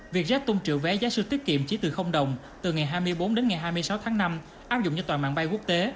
việc rét tung triệu vé giá sư tiết kiệm chỉ từ đồng từ ngày hai mươi bốn đến ngày hai mươi sáu tháng năm áp dụng như toàn mạng bay quốc tế